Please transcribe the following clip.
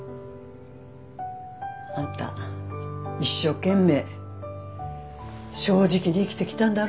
あんた一生懸命正直に生きてきたんだろ？